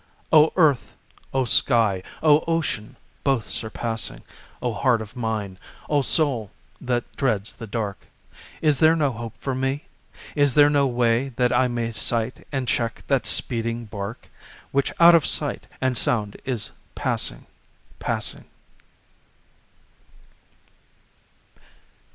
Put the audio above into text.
O Earth, O Sky, O Ocean, both surpassing, O heart of mine, O soul that dreads the dark! Is there no hope for me? Is there no way That I may sight and check that speeding bark Which out of sight and sound is passing, passing?